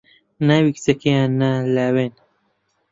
ناوی کچەکەیان نا لاوێن